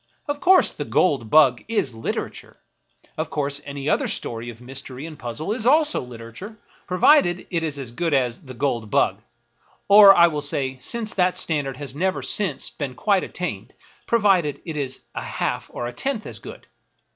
Of course " The Gold Bug " is literature ; of course any other story of mystery and puzzle is also literature, provided it is as good as " The Gold Bug," — or I will say, since that standard has never since been quite attained, provided it is a half or a tenth as good.